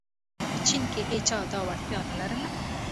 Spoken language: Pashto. په چین کې هېچا دا وړتیا نه لرله.